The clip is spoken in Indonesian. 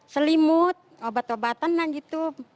selimut obat obatan dan gitu